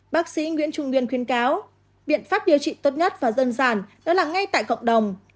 bác sĩ nguyễn trung nguyên khuyến cáo biện pháp điều trị tốt nhất và dân giản đó là ngay tại cộng đồng